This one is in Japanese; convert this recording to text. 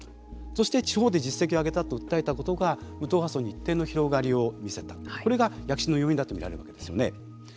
そして、地方で実績を上げたと訴えたことが無党派層に一定の広がりを見せたこれが躍進の要因だと見られるわけですよね。